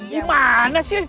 di mana sih